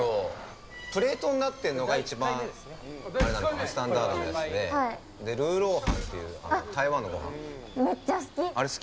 プレートになってるのが、一番スタンダードなやつでルーローハンというめっちゃ好き！